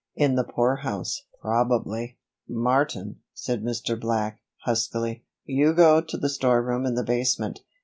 In the poorhouse, probably." "Martin," said Mr. Black, huskily, "you go to the storeroom in the basement.